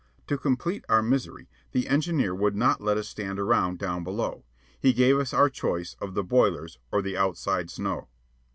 To complete our misery, the engineer would not let us stand around down below. He gave us our choice of the boilers or the outside snow.